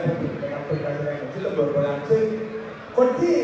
ในการแสดงคิดของผู้โบรกรษก็ได้